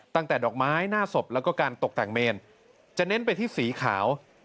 ดอกไม้หน้าศพแล้วก็การตกแต่งเมนจะเน้นไปที่สีขาว